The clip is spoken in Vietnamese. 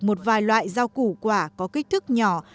một vài loại rau củ quả có kích thước nhỏ